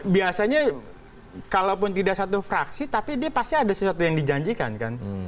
biasanya kalaupun tidak satu fraksi tapi dia pasti ada sesuatu yang dijanjikan kan